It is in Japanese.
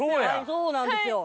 そうなんですよ。